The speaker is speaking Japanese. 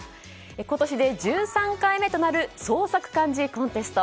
今年で１３回目となる創作漢字コンテスト。